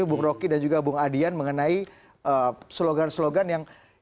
bung roky dan juga bung adian mengenai slogan slogan yang